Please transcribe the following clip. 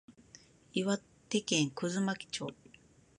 岩手県葛巻町